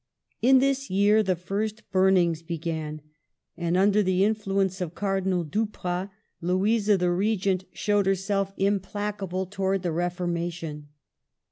In this year the first burnings began; and, under the influence of Cardinal Duprat, Louisa the Regent showed herself implaca THE CAPTIVITY. 85 ble towards the Reformation.